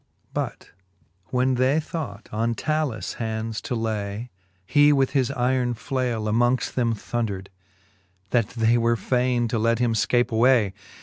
XIX. But when they thought on Talus hands to lay, He with his yron flaile amongft them thondred, That they were fayne to let him fcape away.